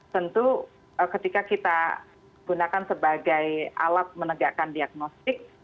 tentu ketika kita gunakan sebagai alat menegakkan diagnostik